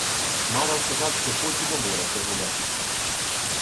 Хмара сказав, що хоче до моря прогулятися.